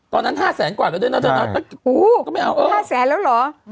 ตอนนั้นห้าแสนกว่าเราโดยโอ้โฮก็ไม่เอาห้าแสนแล้วหรออืม